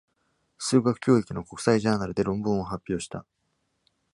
数学教育の国際ジャーナルで論文を発表した。